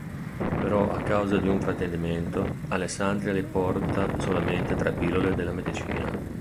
Però a causa di un fraintendimento, Alessandria gli porta solamente tre pillole della medicina.